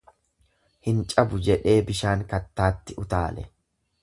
Hin cabu jedhee bishaan kattaatti utaale.